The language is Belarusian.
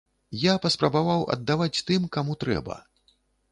Я паспрабаваў аддаваць тым, каму трэба.